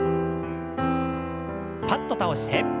パッと倒して。